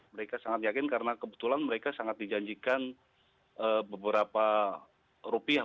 mereka sangat yakin karena kebetulan mereka sangat dijanjikan beberapa rupiah